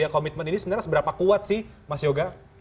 komitmen ini sebenarnya seberapa kuat sih mas yoga